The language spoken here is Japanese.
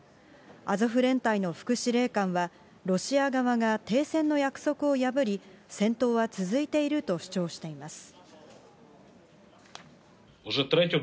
アゾフ連隊の副司令官は、ロシア側が停戦の約束を破り、戦闘は続いていると主張しています。